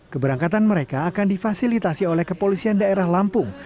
keberangkatan mereka akan difasilitasi oleh kepolisian daerah lampung